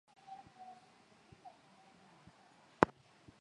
Nyasi zinazokua kwa kasi sana mwanzoni mwa msimu wa mvua